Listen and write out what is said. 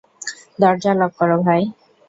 দরজা লক করো, ভাই।